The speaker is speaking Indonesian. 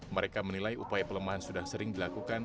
mereka menilai upaya pelemahan sudah sering dilakukan